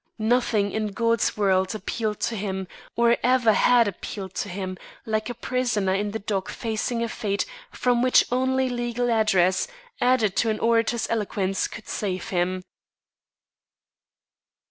Nothing in God's world appealed to him, or ever had appealed to him, like a prisoner in the dock facing a fate from which only legal address, added to an orator's eloquence, could save him.